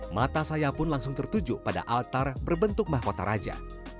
mata saya pun langsung tertuju pada altar berbentuk mahkota raja